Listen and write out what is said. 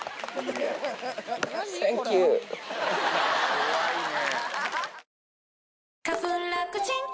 怖いね。